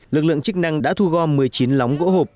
lực lượng chức năng đã thu gom một mươi chín lóng gỗ hộp